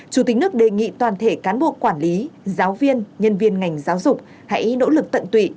chủ tịch nước đề nghị toàn thể cán bộ quản lý giáo viên nhân viên ngành giáo dục hãy nỗ lực tận tụy